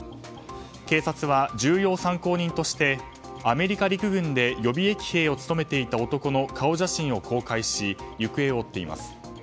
警察は重要参考人としてアメリカ陸軍で予備役兵を務めていた男の顔写真を公開し行方を追っています。